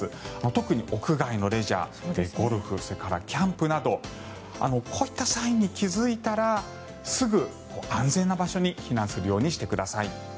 特に屋外のレジャーゴルフ、キャンプなどこういったサインに気付いたらすぐ安全な場所に避難するようにしてください。